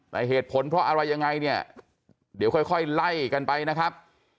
แต่เหตุผลเพราะอะไรยังไงเนี่ยเดี๋ยวค่อยไล่กันไปนะครับ